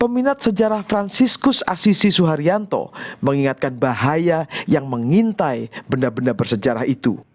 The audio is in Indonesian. peminat sejarah franciscus asisi suharyanto mengingatkan bahaya yang mengintai benda benda bersejarah itu